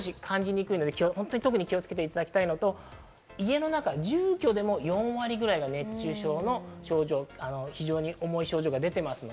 高齢の方は感じにくいので、気をつけていただきたいのと、家の中、住居でも４割ぐらいが熱中症の症状、非常に重い症状が出ています。